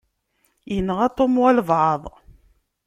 Yenɣa Tom walebɛaḍ.